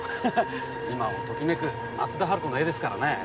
今をときめく松田春子の絵ですからね。